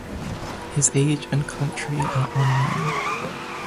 His age and country are unknown.